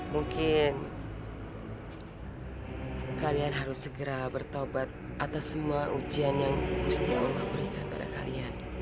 mungkin kalian harus segera bertobat atas semua ujian yang gusti allah berikan pada kalian